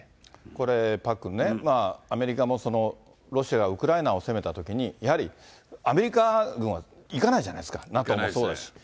これ、パックンね、アメリカもロシアがウクライナを攻めたときに、やはりアメリカ軍は行かないじゃないですか、ＮＡＴＯもそうですし。